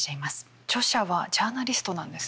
著者はジャーナリストなんですね。